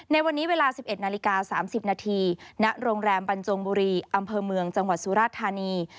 ในวันนี้เวลา๑๑นาฬิกา๓๐นาทีณโรงแรมบรรจงบุรีอำเภอเมืองจังหวัดสุราธานี